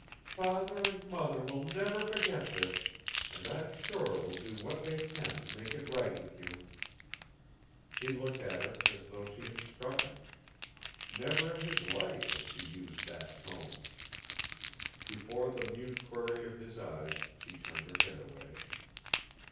"Father and mother will never forget this, and I'm sure will do what they can to make it right with you." He looked at her as though she had struck him. Never in his life had she used that tone. Before the mute query of his eyes she turned her head away.